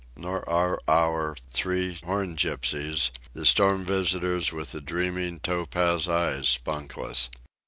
Nor are our three Horn Gypsies, the storm visitors with the dreaming, topaz eyes, spunkless.